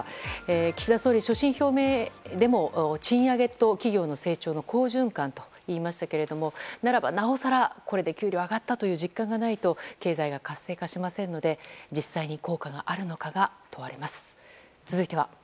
岸田総理、所信表明でも賃上げと企業の好循環と言いましたけれどもならば、なおさらこれで給料上がったという実感がないと経済が活性化しませんので実際に効果があるのかが問われます。